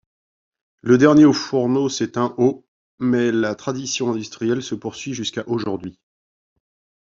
Le dernier haut-fourneau s’éteint au mais la tradition industrielle se poursuit jusqu’à aujourd’hui.